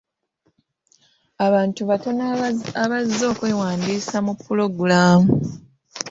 Abantu batono abazze okwewandiisa mu pulogulamu.